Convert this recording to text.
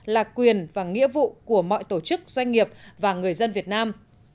là quyền và nghĩa vụ của mọi tổ chức doanh nghiệp và người dân việt nam